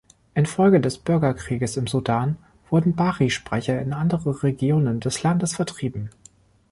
Infolge des Bürgerkrieges im Sudan wurden Bari-Sprecher in andere Regionen des Landes vertrieben.